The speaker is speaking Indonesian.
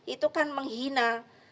itu kan menghina